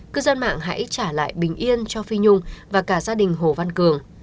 cư dân mạng hãy trả lại bình yên cho phi nhung và cả gia đình hồ văn cường